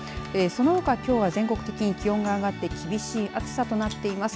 そのほかきょうは全国的に気温が上がって厳しい暑さとなっています。